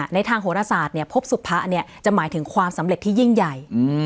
ในทางโหรศาสตร์พบสุพะจะหมายถึงความสำเร็จที่ยิ่งใหญ่